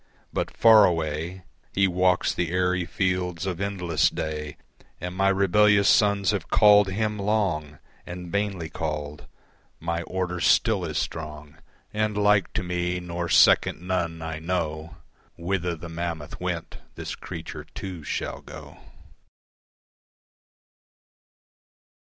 But far away He walks the airy fields of endless day, And my rebellious sons have called Him long And vainly called. My order still is strong And like to me nor second none I know. Whither the mammoth went this creature too shall go.